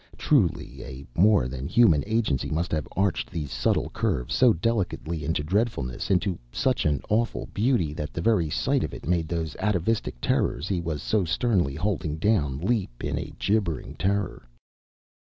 Truly a more than human agency must have arched these subtle curves so delicately into dreadfulness, into such an awful beauty that the very sight of it made those atavistic terrors he was so sternly holding down leap in a gibbering terror.